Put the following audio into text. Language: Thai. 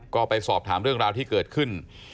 ก็ไปสอบถามเรื่องราวที่เกิดขึ้น